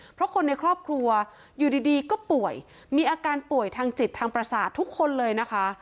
เพราะคนในครอบครัวอยู่ดีก็ป่วยมีอาการป่วยทางจิตทางประสาททุกคนเลยนะคะ